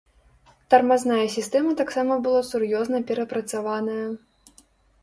Тармазная сістэма таксама была сур'ёзна перапрацаваная.